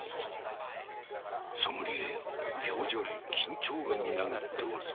ソムリエよ表情に緊張がみなぎっておるぞ。